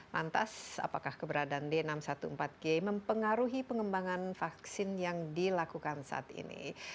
lantas apakah keberadaan d enam ratus empat belas g mempengaruhi pengembangan vaksin yang dilakukan saat ini